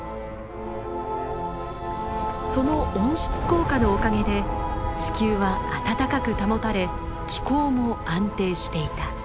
その温室効果のおかげで地球は温かく保たれ気候も安定していた。